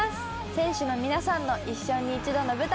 選手の皆さんの一生に一度の舞台。